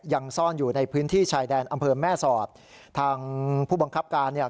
ยังซ่อนอยู่ในพื้นที่ชายแดนอำเภอแม่สอดทางผู้บังคับการเนี่ย